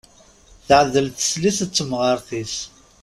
Teɛdel teslit d temɣart-is.